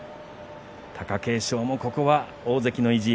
貴景勝もここは大関の意地。